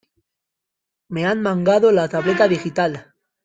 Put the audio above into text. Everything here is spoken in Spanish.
¡Me han mangado la tableta digital!